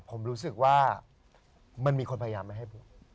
ผมรู้สึกว่ามันมีคนพยายามไม่ให้พูด